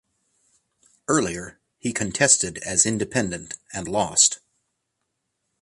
Earlier he contested as Independent and lost.